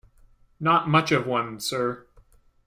Not much of a one, sir.